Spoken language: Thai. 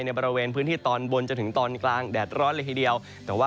ในภูมิตอนบนถึงตอนกลางแดดร้อนละอีกเดียว